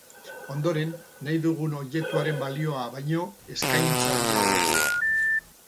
Ondoren, nahi dugun objektuaren balioa baino eskaintza handiagoa egin.